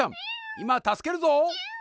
いまたすけるぞ。